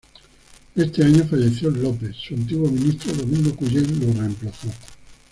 Ese año, fallecido López, su antiguo ministro Domingo Cullen lo reemplazó.